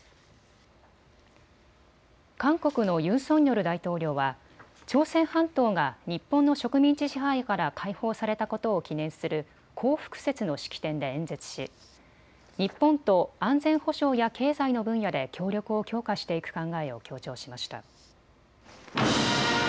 韓国のユン・ソンニョル大統領は朝鮮半島が日本の植民地支配から解放されたことを記念する光復節の式典で演説し日本と安全保障や経済の分野で協力を強化していく考えを強調しました。